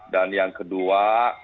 dan yang kedua